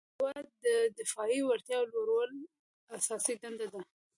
د هیواد دفاعي وړتیا لوړول اساسي دنده ده.